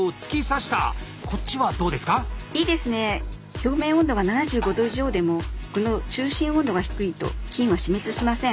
表面温度が７５度以上でも具の中心温度が低いと菌は死滅しません。